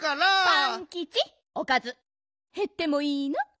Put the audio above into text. パンキチおかずへってもいいの？